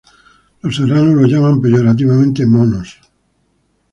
Los serranos los llaman peyorativamente "monos".